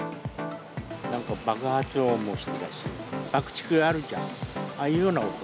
なんか爆発音もしてたし、爆竹あるじゃん、ああいうような音。